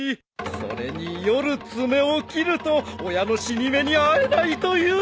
それに夜爪を切ると親の死に目に会えないと言うでしょう。